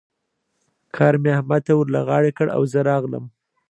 کار مې احمد ته ور له غاړې کړ او زه راغلم.